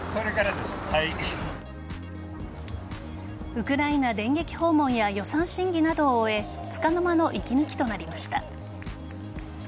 ウクライナ電撃訪問や予算審議などを終えつかの間の息抜きとなりました。